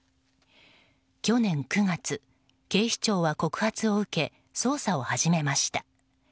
去年９月、警視庁は告発を受け捜査を始めました。